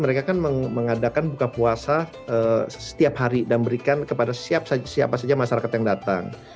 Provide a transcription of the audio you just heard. mereka kan mengadakan buka puasa setiap hari dan berikan kepada siapa saja masyarakat yang datang